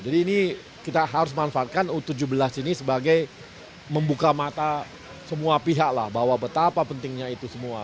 jadi ini kita harus manfaatkan u tujuh belas ini sebagai membuka mata semua pihak lah bahwa betapa pentingnya itu semua gitu